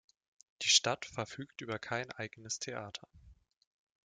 Die Stadt verfügt über kein eigenes Theater.